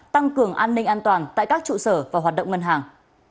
tăng cường an ninh an toàn tại các trụ sở và hoạt động ngân hàng